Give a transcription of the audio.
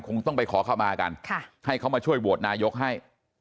คงต้องไปขอเข้ามากันให้เขามาช่วยโหวตนายกให้